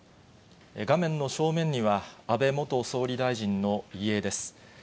画面の正面には、安倍元総理大臣の遺影です。